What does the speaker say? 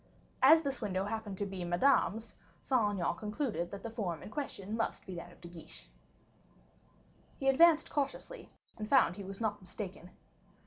As this window happened to be Madame's, Saint Aignan concluded that the form in question must be that of De Guiche. He advanced cautiously, and found he was not mistaken.